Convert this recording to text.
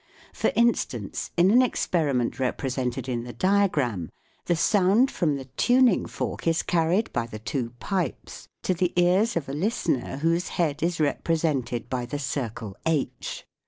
For instance, in an experiment represented in the diagram, the sound from the tuning fork is carried by t he two pipes to the two ears of a listener whose head is represented by the circle H.